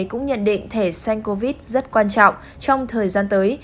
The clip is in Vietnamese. cũng nhận định thể sanh covid rất quan trọng trong thời gian tới